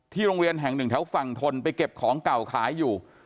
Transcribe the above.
โรงเรียนแห่งหนึ่งแถวฝั่งทนไปเก็บของเก่าขายอยู่